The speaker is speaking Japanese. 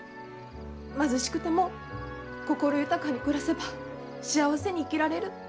貧しくても心豊かに暮らせば幸せに生きられる。